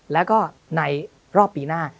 แล้วก็ในรอบปีหน้า